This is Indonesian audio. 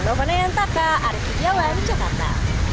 dovanayantaka arki jalan jakarta